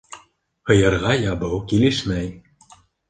Һыйырға ябыу килешмәй.